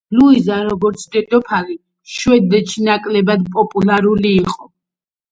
ლუიზა, როგორც დედოფალი, შვედეთში ნაკლებად პოპულარული იყო.